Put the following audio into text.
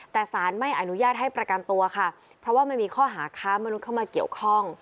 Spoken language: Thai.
แต่สารไม่อนุญาตให้ประกันตัวค่ะเพราะว่ามันมีข้อหาค้ามนุษย์เข้ามาเกี่ยวข้อง